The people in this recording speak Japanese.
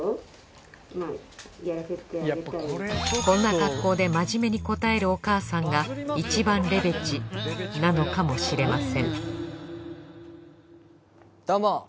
こんな格好で真面目に答えるお母さんがいちばんレベチなのかもしれませんどうも。